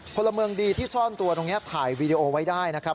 พลเมืองดีที่ซ่อนตัวตรงนี้ถ่ายวีดีโอไว้ได้นะครับ